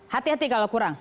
hati hati kalau kurang